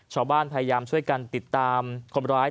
ชาวบ้านพยายามช่วยกันติดตามคนร้าย